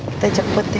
kita jemput ya